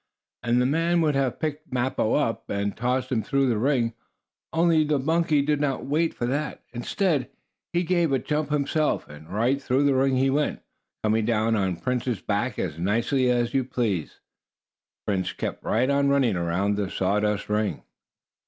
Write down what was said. And the man would have picked Mappo up, and tossed him through the ring, only the monkey did not wait for that. Instead, he gave a jump himself, and right through the ring he went, coming down on Prince's back as nicely as you please. Prince kept right on running around the sawdust ring.